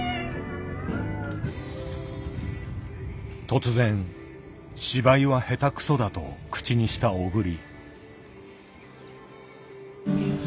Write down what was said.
突然「芝居は下手くそだ」と口にした小栗。